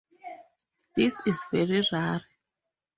This is very rare.